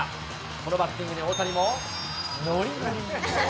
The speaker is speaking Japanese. このバッティングに大谷も、のりのり。